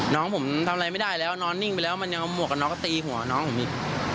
น้องผมทำอะไรไม่ได้แล้วนอนนิ่งไปแล้วมันยังเอาหมวกกันน็อกก็ตีหัวน้องผมอีก